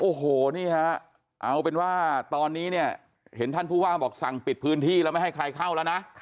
โอ้โหนี่ฮะเอาเป็นว่าตอนนี้เนี่ยเห็นท่านผู้ว่าบอกสั่งปิดพื้นที่แล้วไม่ให้ใครเข้าแล้วนะ